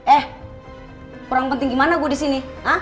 eh kurang penting gimana gue di sini